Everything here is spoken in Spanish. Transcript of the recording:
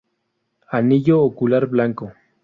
Anillo ocular blanco.